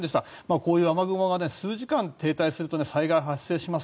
こういう雨雲は数時間停滞すると災害が発生します。